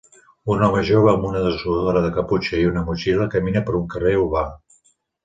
Un home jove amb una dessuadora de caputxa i una motxilla camina per un carrer urbà.